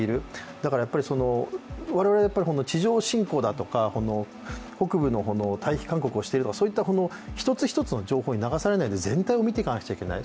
だからやっぱり、我々が地上侵攻だとか北部の退避勧告をしているとかそういった一つ一つの情報に流されないで、全体を見ていかなきゃいけない。